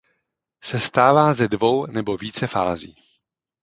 Sestává ze dvou nebo více fází.